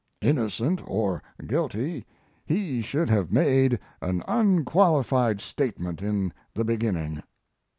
Innocent or guilty, he should have made an unqualified statement in the beginning."